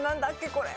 これ。